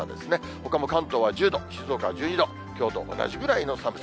ほかも関東は１０度、静岡は１２度、きょうと同じぐらいの寒さ。